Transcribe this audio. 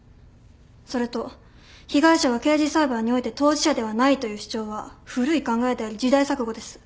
それと被害者が刑事裁判において当事者ではないという主張は古い考えであり時代錯誤です。